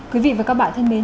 quý vị và các bạn thân mến